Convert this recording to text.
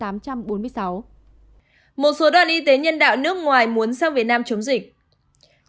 một số đoàn y tế nhân đạo nước ngoài muốn sang việt nam chống dịch